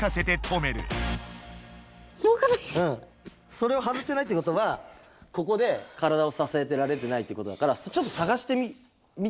それを外せないってことはここで体をささえてられてないってことだからちょっとさがしてみて。